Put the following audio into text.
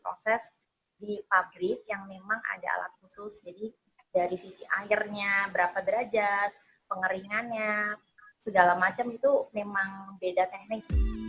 proses di pabrik yang memang ada alat khusus jadi dari sisi airnya berapa derajat pengeringannya segala macam itu memang beda teknis